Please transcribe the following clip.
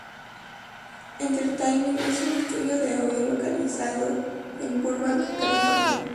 Entertainment es un estudio de audio localizado en Burbank, California.